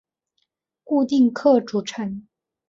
固定客组成。